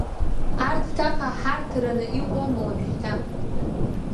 Арҭ ҭаха ҳарҭараны иҟоума уажәшьҭа?